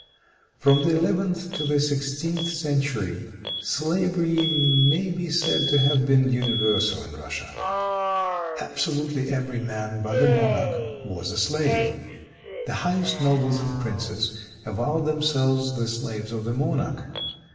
From the eleventh to the sixteenth century, slavery may be said to have been universal in Russia. Absolutely every man but the monarch was a slave. The highest nobles and princes avowed themselves the slaves of the monarch.